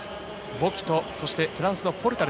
ボキとフランスのポルタル。